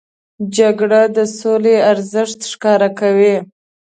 جګړه د سولې ارزښت ښکاره کوي